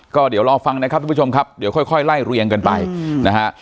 ก็เดี๋ยวรอฟังนะครับทุกผู้ชมครับเดี๋ยวค่อยไล่เรียงกันไปนะฮะ